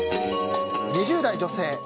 ２０代女性。